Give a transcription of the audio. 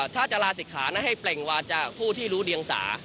ถ้าจะลาศิกขาให้เปล่งวาจาผู้ที่รู้เดียงสา